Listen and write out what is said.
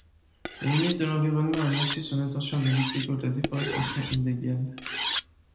Le ministre de l'Environnement a annoncé son intention de lutter contre la déforestation illégale.